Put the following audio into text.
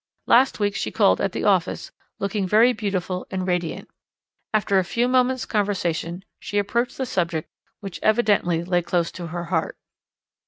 Last week she called at the office, looking very beautiful and radiant. After a few moments' conversation she approached the subject which evidently lay close to her heart.